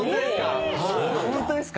ホントですか！？